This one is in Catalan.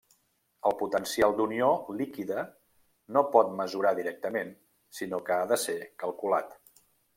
El potencial d'unió líquida no pot mesurar directament, sinó que ha de ser calculat.